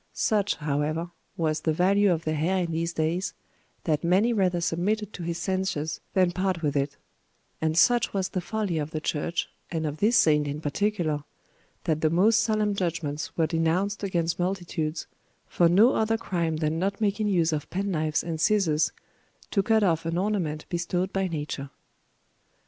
Such, however, was the value of their hair in these days, that many rather submitted to his censures than part with it; and such was the folly of the church, and of this saint in particular, that the most solemn judgments were denounced against multitudes, for no other crime than not making use of pen knives and scissors, to cut off an ornament bestowed by nature."